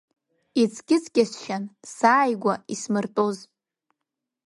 Иҵкьыҵкьашьан сааигәа исмыртәоз…